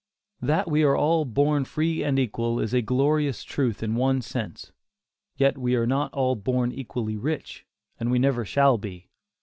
That we are born "free and equal" is a glorious truth in one sense, yet we are not all born equally rich, and we never shall be.